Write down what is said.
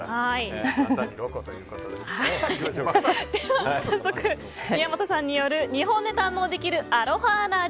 では早速、宮本さんによる日本で堪能できるアロハな味